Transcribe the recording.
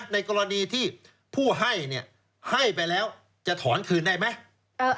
ในกรณีที่ผู้ให้ให้ไปแล้วจะถอนคืนได้ไหม